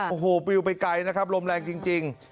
โอ้โหปลิวไปไกลนะครับลมแรงจริง